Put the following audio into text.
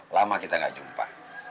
lama kita gak jumpa